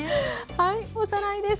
はいおさらいです。